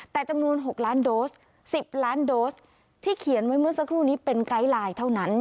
แต่จำนวน๖ล้านโดส๑๐ล้านโดสที่เขียนไว้เมื่อสักครู่นี้เป็นไกด์ไลน์เท่านั้น